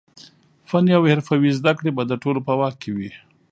فني او حرفوي زده کړې به د ټولو په واک کې وي.